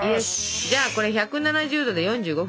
じゃあこれ１７０℃で４５分！